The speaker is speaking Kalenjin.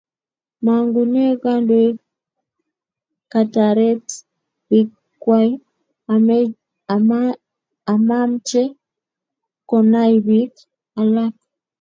Mangune kandoik katareti piik kwai amamche konai piik alak